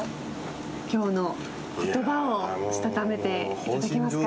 今日の言葉をしたためていただけますか。